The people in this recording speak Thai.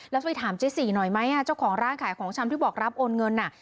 แล้วไปถามเจ๊สีหน่อยไหมเจ้าของร้านขายของชำที่บอกรับโอนเงิน